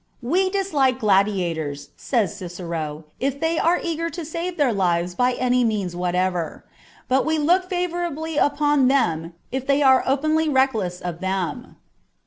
" We dislike gladia tors," says Cicero, " if they are eager to save their lives by any means whatever : but we look favourably upon them if they are openly reckless of them."